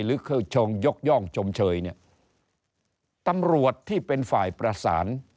หรือคือเชิงยกย่องชมเชยเนี่ยตำรวจที่เป็นฝ่ายประสาน